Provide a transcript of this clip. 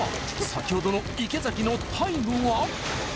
先ほどの池崎のタイムは？